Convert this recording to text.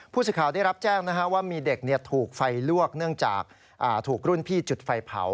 ผู้สื่อข่าวได้รับแจ้งว่ามีเด็กถูกไฟลวกเนื่องจากถูกรุ่นพี่จุดไฟเผา